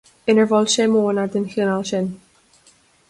Inar mhol sé modhanna den chineál sin.